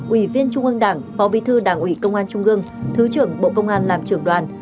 ủy viên trung ương đảng phó bí thư đảng ủy công an trung ương thứ trưởng bộ công an làm trưởng đoàn